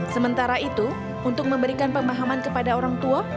sementara itu untuk memberikan pemahaman kepada orang tua